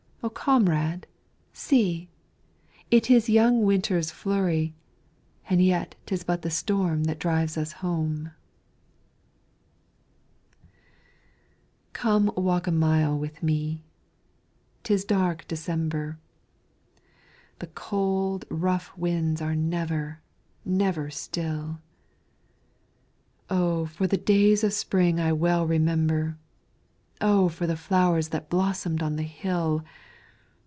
O Comrade! See! it is young Winter's flurry And yet 'tis but the storm that drives us home. DECEMBER Come walk a mile with me 'Tis dark December; The cold, rough winds are never, never still; O for the days of Spring I well remember! O for the flowers that blossomed on the hill!